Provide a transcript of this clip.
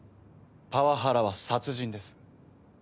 パワハラは殺人です。